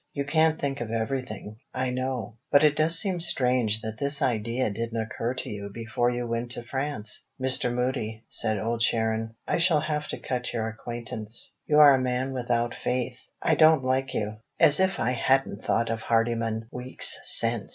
You can't think of everything, I know; but it does seem strange that this idea didn't occur to you before you went to France." "Mr. Moody," said Old Sharon, "I shall have to cut your acquaintance. You are a man without faith; I don't like you. As if I hadn't thought of Hardyman weeks since!"